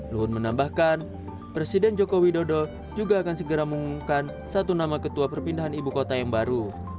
luhut menambahkan presiden joko widodo juga akan segera mengumumkan satu nama ketua perpindahan ibu kota yang baru